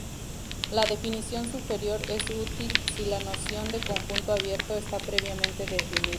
La definición superior es útil si la noción de conjunto abierto está previamente definida.